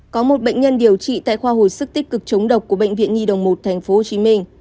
có một bệnh nhân điều trị tại khoa hồi sức tích cực chống độc của bệnh viện nhi đồng một tp hcm